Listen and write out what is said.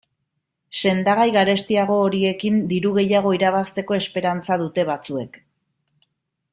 Sendagai garestiago horiekin diru gehiago irabazteko esperantza dute batzuek.